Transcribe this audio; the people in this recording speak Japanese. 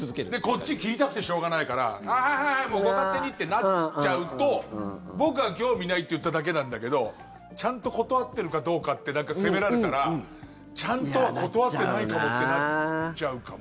こっち切りたくてしょうがないからああはいはい、もうご勝手にってなっちゃうと僕は興味ないと言っただけなんだけどちゃんと断ってるかどうかって責められたらちゃんと断ってないかもってなっちゃうかも。